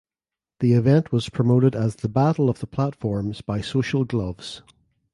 The event was promoted as the Battle of the Platforms by Social Gloves.